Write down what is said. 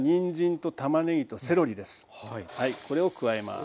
これを加えます。